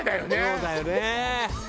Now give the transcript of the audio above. そうだよね。